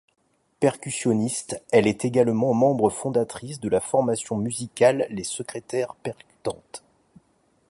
Percussionniste, elle est également membre fondatrice de la formation musicale les Secrétaires percutantes.